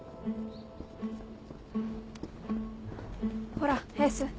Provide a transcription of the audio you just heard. ほらエース。